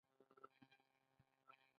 آیا کاناډایان په ټوله نړۍ کې سفر نه کوي؟